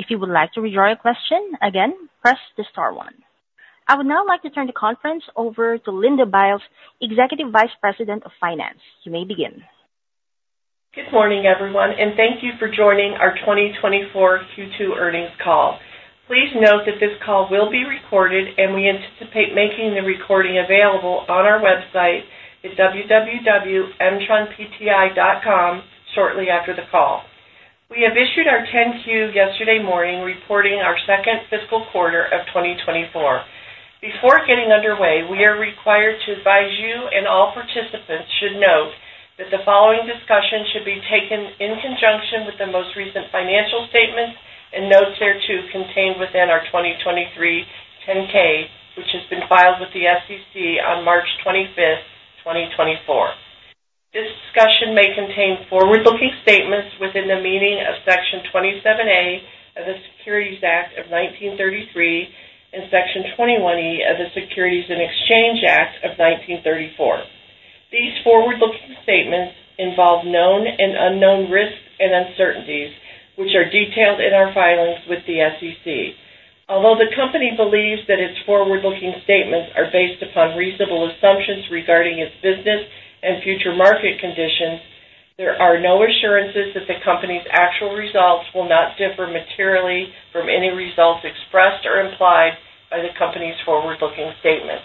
If you would like to redraw your question again, press the star one. I would now like to turn the conference over to Linda Biles, Executive Vice President of Finance. You may begin. Good morning, everyone, and thank you for joining our 2024 Q2 Earnings Call. Please note that this call will be recorded, and we anticipate making the recording available on our website at www.mtronpti.com shortly after the call. We have issued our 10-Q yesterday morning, reporting our second fiscal quarter of 2024. Before getting underway, we are required to advise you, and all participants should note that the following discussion should be taken in conjunction with the most recent financial statements and notes thereto contained within our 2023 10-K, which has been filed with the SEC on March 25, 2024. This discussion may contain forward-looking statements within the meaning of Section 27A of the Securities Act of 1933 and Section 21E of the Securities and Exchange Act of 1934. These forward-looking statements involve known and unknown risks and uncertainties, which are detailed in our filings with the SEC. Although the company believes that its forward-looking statements are based upon reasonable assumptions regarding its business and future market conditions, there are no assurances that the company's actual results will not differ materially from any results expressed or implied by the company's forward-looking statements.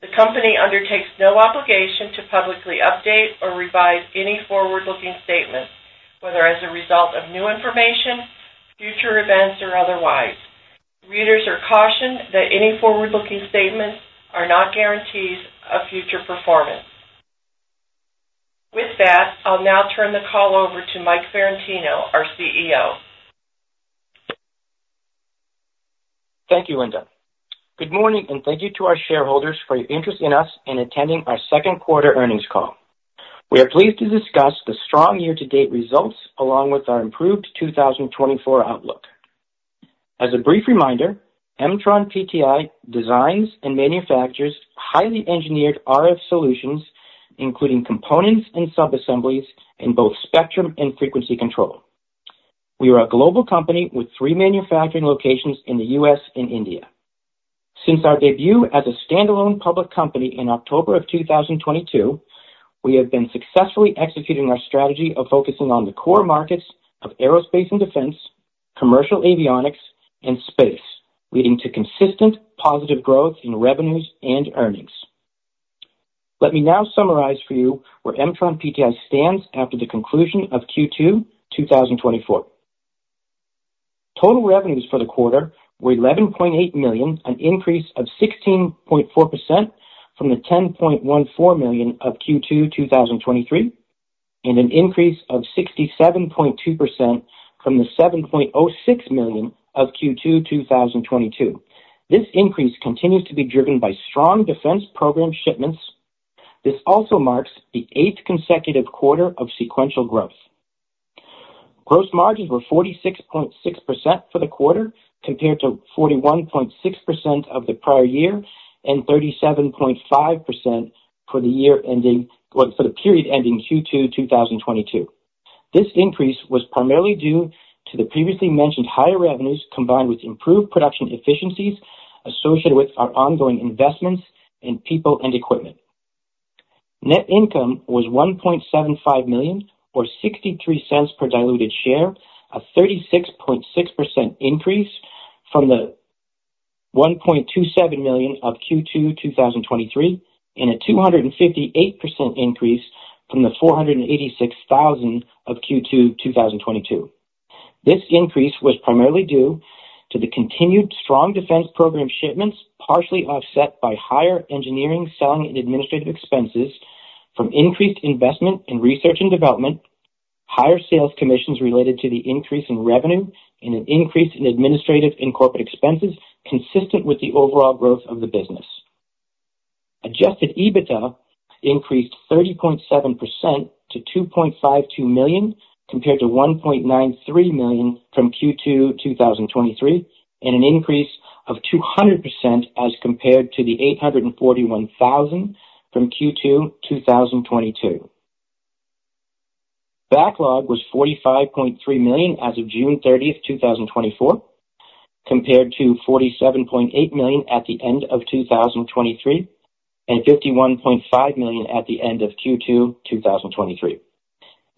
The company undertakes no obligation to publicly update or revise any forward-looking statements, whether as a result of new information, future events, or otherwise. Readers are cautioned that any forward-looking statements are not guarantees of future performance. With that, I'll now turn the call over to Mike Ferrantino, our CEO. Thank you, Linda. Good morning, and thank you to our shareholders for your interest in us in attending our Q2 Earnings Call. We are pleased to discuss the strong year-to-date results along with our improved 2024 outlook. As a brief reminder, MtronPTI designs and manufactures highly engineered RF solutions, including components and subassemblies in both spectrum and frequency control. We are a global company with three manufacturing locations in the U.S. and India. Since our debut as a standalone public company in October of 2022, we have been successfully executing our strategy of focusing on the core markets of aerospace and defense, commercial avionics, and space, leading to consistent positive growth in revenues and earnings. Let me now summarize for you where MtronPTI stands after the conclusion of Q2 2024. Total revenues for the quarter were $11.8 million, an increase of 16.4% from the $10.14 million of Q2 2023, and an increase of 67.2% from the $7.06 million of Q2 2022. This increase continues to be driven by strong defense program shipments. This also marks the 8th consecutive quarter of sequential growth. Gross margins were 46.6% for the quarter, compared to 41.6% of the prior year and 37.5% for the year ending, well, for the period ending Q2 2022. This increase was primarily due to the previously mentioned higher revenues, combined with improved production efficiencies associated with our ongoing investments in people and equipment. Net income was $1.75 million, or $0.63 per diluted share, a 36.6% increase from the $1.27 million of Q2 2023, and a 258% increase from the $486,000 of Q2 2022. This increase was primarily due to the continued strong defense program shipments, partially offset by higher engineering, selling and administrative expenses from increased investment in research and development, higher sales commissions related to the increase in revenue, and an increase in administrative and corporate expenses consistent with the overall growth of the business. Adjusted EBITDA increased 30.7% to $2.52 million, compared to $1.93 million from Q2 2023, and an increase of 200% as compared to the $841,000 from Q2 2022. Backlog was $45.3 million as of June 30, 2024, compared to $47.8 million at the end of 2023 and $51.5 million at the end of Q2 2023.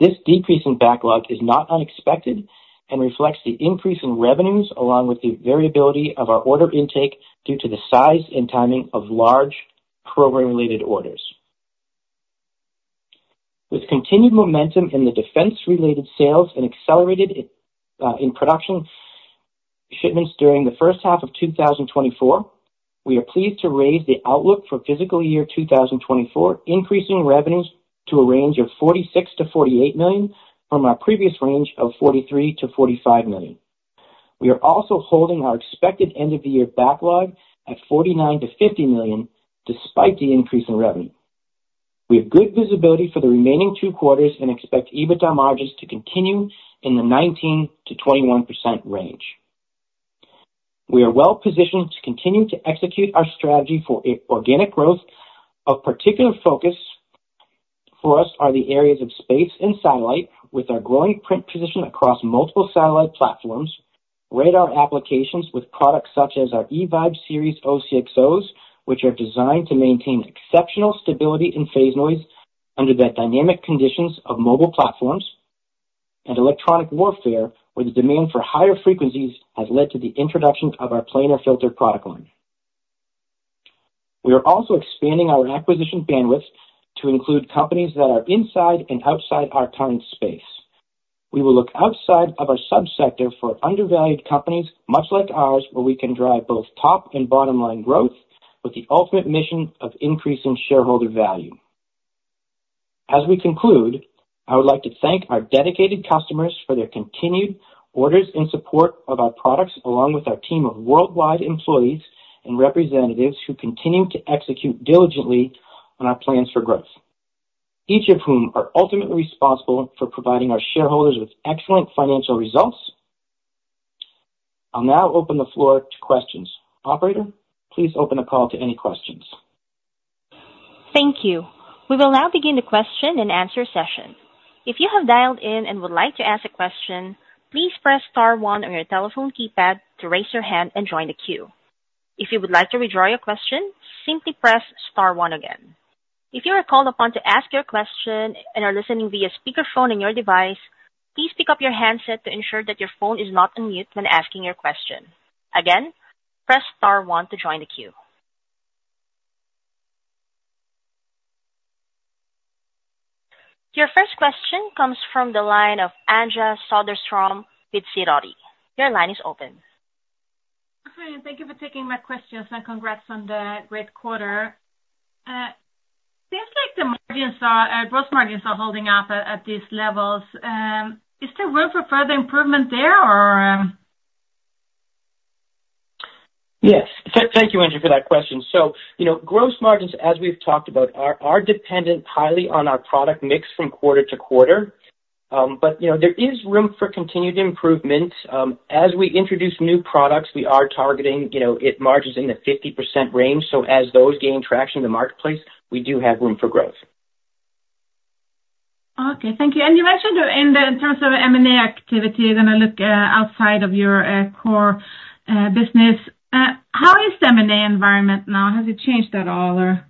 This decrease in backlog is not unexpected and reflects the increase in revenues, along with the variability of our order intake due to the size and timing of large program-related orders. With continued momentum in the defense-related sales and accelerated in production shipments during the first half of 2024, we are pleased to raise the outlook for fiscal year 2024, increasing revenues to a range of $46 million-$48 million from our previous range of $43 million-$45 million. We are also holding our expected end-of-year backlog at $49 million-$50 million, despite the increase in revenue. We have good visibility for the remaining two quarters and expect EBITDA margins to continue in the 19%-21% range. We are well positioned to continue to execute our strategy for a organic growth. Of particular focus for us are the areas of space and satellite, with our growing footprint across multiple satellite platforms, radar applications with products such as our e-VIBE series OCXOs, which are designed to maintain exceptional stability and phase noise under the dynamic conditions of mobile platforms and electronic warfare, where the demand for higher frequencies has led to the introduction of our Planar filter product line. We are also expanding our acquisition bandwidth to include companies that are inside and outside our current space. We will look outside of our subsector for undervalued companies, much like ours, where we can drive both top and bottom line growth, with the ultimate mission of increasing shareholder value. As we conclude, I would like to thank our dedicated customers for their continued orders and support of our products, along with our team of worldwide employees and representatives who continue to execute diligently on our plans for growth, each of whom are ultimately responsible for providing our shareholders with excellent financial results. I'll now open the floor to questions. Operator, please open the call to any questions. Thank you. We will now begin the question and answer session. If you have dialed in and would like to ask a question, please press star one on your telephone keypad to raise your hand and join the queue. If you would like to withdraw your question, simply press star one again. If you are called upon to ask your question and are listening via speakerphone on your device, please pick up your handset to ensure that your phone is not on mute when asking your question. Again, press star one to join the queue. Your first question comes from the line of Anja Soderstrom with Sidoti. Your line is open. Hi, and thank you for taking my questions, and congrats on the great quarter. Seems like the margins are, gross margins are holding up at these levels. Is there room for further improvement there, or? Yes. Thank you, Anja, for that question. So, you know, gross margins, as we've talked about, are dependent highly on our product mix from quarter to quarter. But, you know, there is room for continued improvement. As we introduce new products, we are targeting, you know, it margins in the 50% range. So as those gain traction in the marketplace, we do have room for growth. Okay, thank you. And you mentioned in the, in terms of M&A activity, you're gonna look outside of your core business. How is the M&A environment now? Has it changed at all, or?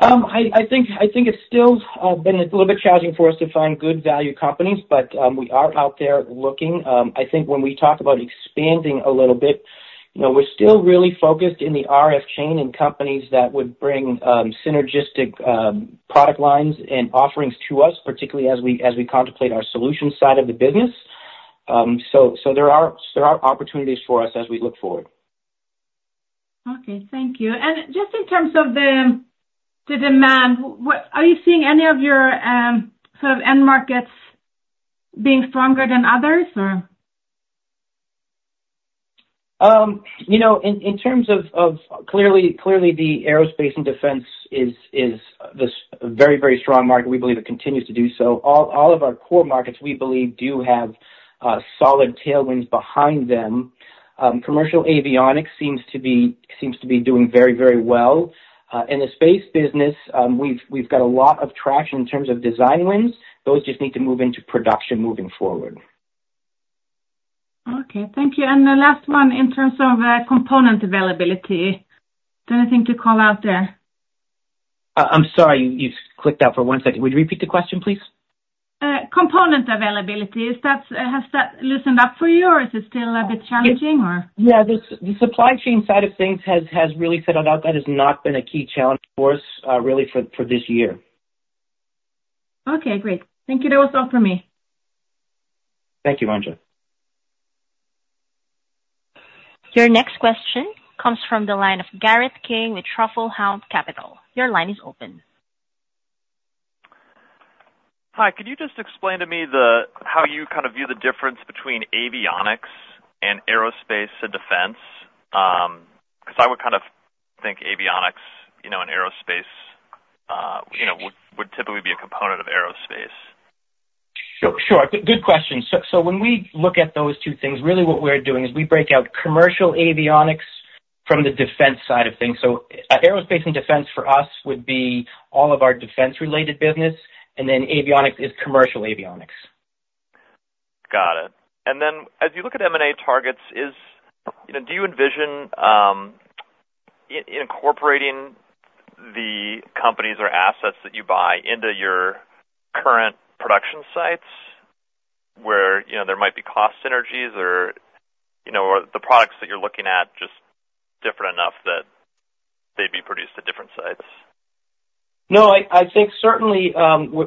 I think it's still been a little bit challenging for us to find good value companies, but we are out there looking. I think when we talk about expanding a little bit, you know, we're still really focused in the RF chain and companies that would bring synergistic product lines and offerings to us, particularly as we contemplate our solutions side of the business. So there are opportunities for us as we look forward. Okay, thank you. Just in terms of the demand, what are you seeing any of your sort of end markets being stronger than others, or? You know, in terms of clearly the aerospace and defense is this very, very strong market. We believe it continues to do so. All of our core markets, we believe, do have solid tailwinds behind them. Commercial avionics seems to be doing very, very well. In the space business, we've got a lot of traction in terms of design wins. Those just need to move into production moving forward. Okay, thank you. The last one, in terms of component availability, is there anything to call out there? I'm sorry, you clicked out for one second. Would you repeat the question, please? Component availability, is that, has that loosened up for you, or is it still a bit challenging or? Yeah, the supply chain side of things has really settled out. That has not been a key challenge for us, really, for this year. Okay, great. Thank you. That was all for me. Thank you, Anja. Your next question comes from the line of Garrett King with Truffle Hound Capital. Your line is open. Hi, could you just explain to me the, how you kind of view the difference between avionics and aerospace and defense? Because I would kind of think avionics, you know, and aerospace, you know, would typically be a component of aerospace. Sure, sure. Good question. So when we look at those two things, really what we're doing is we break out commercial avionics from the defense side of things. So aerospace and defense for us would be all of our defense-related business, and then avionics is commercial avionics. Got it. And then as you look at M&A targets, you know, do you envision incorporating the companies or assets that you buy into your current production sites, where, you know, there might be cost synergies or, you know, or the products that you're looking at just different enough that they'd be produced at different sites? No, I think certainly,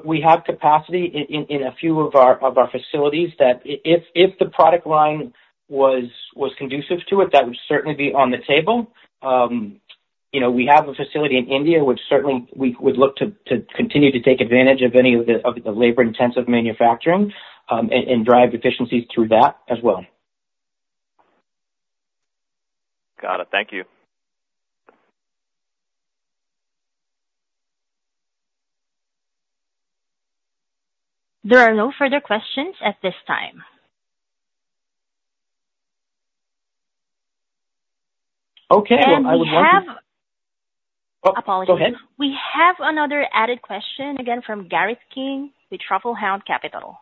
we have capacity in a few of our facilities, that if the product line was conducive to it, that would certainly be on the table. You know, we have a facility in India, which certainly we would look to continue to take advantage of any of the labor-intensive manufacturing and drive efficiencies through that as well. Got it. Thank you. There are no further questions at this time. Okay, well, I would love to- We have- Oh, go ahead. Apologies. We have another added question, again from Garrett King with Truffle Hound Capital.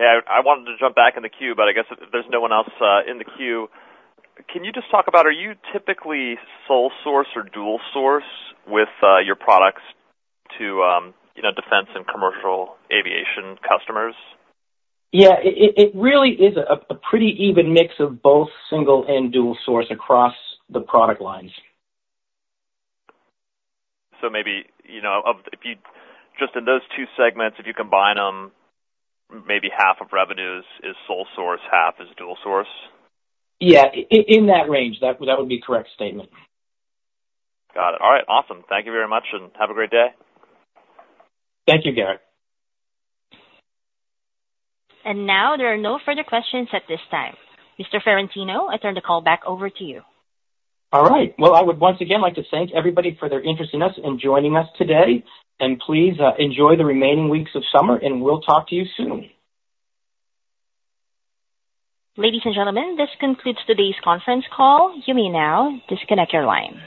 Yeah, I wanted to jump back in the queue, but I guess there's no one else in the queue. Can you just talk about, are you typically sole source or dual source with your products to, you know, defense and commercial aviation customers? Yeah, it really is a pretty even mix of both single and dual source across the product lines. So maybe, you know, if you just in those two segments, if you combine them, maybe half of revenues is sole source, half is dual source? Yeah, in that range, that, that would be a correct statement. Got it. All right. Awesome. Thank you very much, and have a great day. Thank you, Garrett. Now there are no further questions at this time. Mr. Ferrantino, I turn the call back over to you. All right. Well, I would once again like to thank everybody for their interest in us and joining us today, and please, enjoy the remaining weeks of summer, and we'll talk to you soon. Ladies and gentlemen, this concludes today's conference call. You may now disconnect your line.